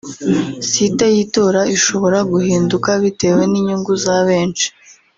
site y’itora ishobora guhinduka bitewe n’inyungu za benshi